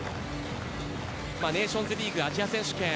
ネーションズリーグアジア選手権